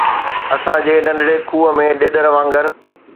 اسان جي ننڍڙي کوهه ۾ ڏيڏر وانگر